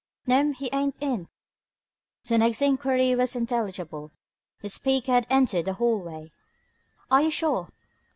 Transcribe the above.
"No'm, he ain't in." The next enquiry was intelligible: the speaker had entered the hallway. "Are you sure?"